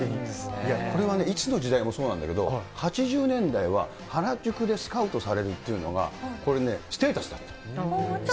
いやこれはいつの時代もそうなんだけど、８０年代は、原宿でスカウトされるっていうのが、これね、ヒデさんは？